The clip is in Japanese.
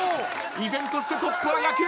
依然としてトップは野球部。